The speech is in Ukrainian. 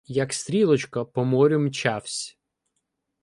Як стрілочка, по морю мчавсь.